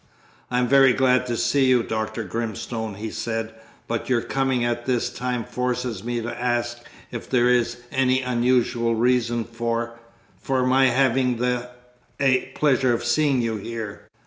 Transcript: "I am very glad to see you, Dr. Grimstone," he said, "but your coming at this time forces me to ask if there is any unusual reason for, for my having the a pleasure of seeing you here?"